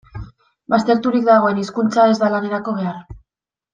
Bazterturik dagoen hizkuntza ez da lanerako behar.